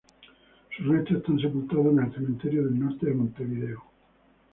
Sus restos están sepultados en el Cementerio del Norte de Montevideo.